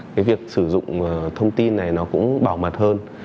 cái việc sử dụng thông tin này nó cũng bảo mật hơn